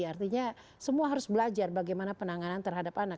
artinya semua harus belajar bagaimana penanganan terhadap anak